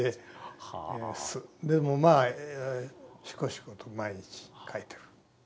でもまあしこしこと毎日書いてる。